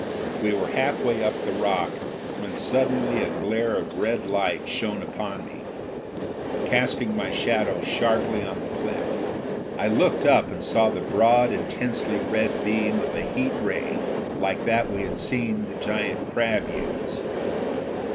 We were halfway up the rock when suddenly a glare of red light shone upon me, casting my shadow sharply on the cliff. I looked up and saw the broad, intensely red beam of a heat ray like that we had seen the giant crab use.